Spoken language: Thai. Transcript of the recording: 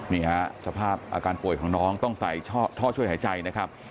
นี่ฮะสภาพอาการป่วยของน้องต้องใส่ท่อช่วยหายใจนะครับ